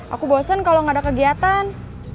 aku bosen kalau nggak ada kegiatan